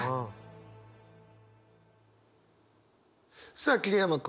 さあ桐山君。